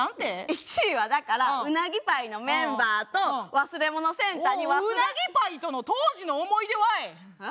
１位はだから「うなぎパイのメンバーと忘れ物センターに」。うなぎパイとの当時の思い出わい？